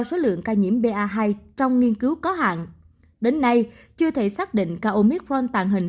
số lượng ca nhiễm ba trong nghiên cứu có hạn đến nay chưa thể xác định ca omicron tàng hình